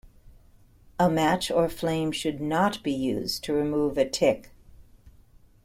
A match or flame should not be used to remove a tick.